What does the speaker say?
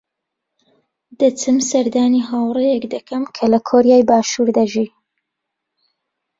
دەچم سەردانی هاوڕێیەک دەکەم کە لە کۆریای باشوور دەژی.